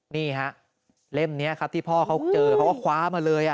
นี่ฮะเล่มนี้ครับที่พ่อเขาเจอเขาก็คว้ามาเลย